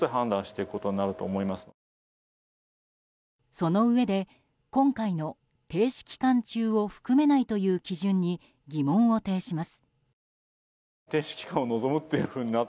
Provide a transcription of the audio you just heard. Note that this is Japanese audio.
そのうえで今回の停止期間中を含めないという基準に疑問を呈します。